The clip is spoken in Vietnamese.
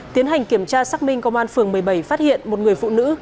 tiến hành kiểm tra xác minh công an phường một mươi bảy phát hiện một người phụ nữ